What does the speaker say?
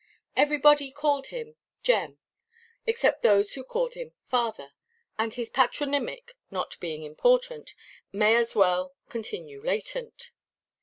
Everybody called him "Jem," except those who called him "father;" and his patronymic, not being important, may as well continue latent.